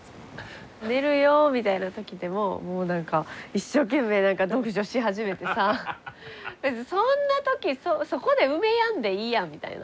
「寝るよ」みたいな時でももうなんか一生懸命なんか読書し始めてさ別にそんな時そこで埋めやんでいいやんみたいな。